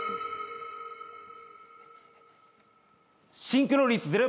シンクロ率０％。